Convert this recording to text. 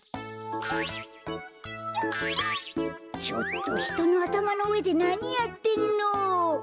ちょっとひとのあたまのうえでなにやってんの？